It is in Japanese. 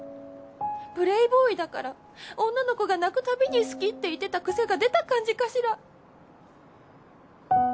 プレーボーイだから女の子が泣くたびに好きって言ってた癖が出た感じかしら？